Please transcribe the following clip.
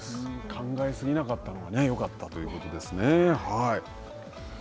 考え過ぎなかったのでよかったということですね。